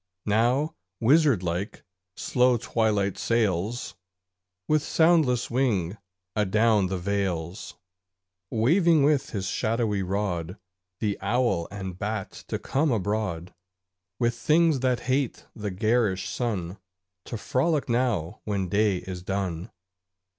Now, wizard like, slow Twilight sails With soundless wing adown the vales, Waving with his shadowy rod The owl and bat to come abroad, With things that hate the garish sun, To frolic now when day is done.